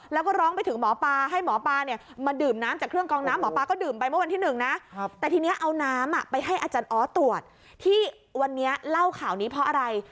แล้วก็ร้องไปถึงหมอปลาให้หมอปลาเนี่ยมาดื่มน้ำจากเครื่องกองน้ำหมอปลาก็ดื่มไปเมื่อวันที่๑นะแต่ทีนี้เอาน้ำไปให้อาจารย์ออสตรวจที่วันนี้เล่าข่าวนี้เพราะอะไร